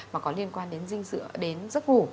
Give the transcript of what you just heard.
mà có liên quan đến giấc ngủ